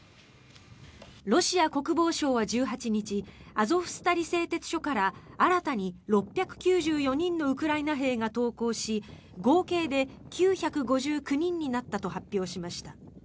ロシア国防省は１８日アゾフスタリ製鉄所から新たに６９４人のウクライナ兵が投降し合計で９５９人になったと発表しました。